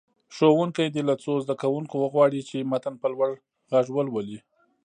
ښوونکی دې له څو زده کوونکو وغواړي چې متن په لوړ غږ ولولي.